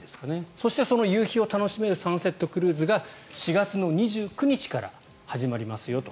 そして、その夕日を楽しめるサンセットクルーズが４月２９日から始まりますよと。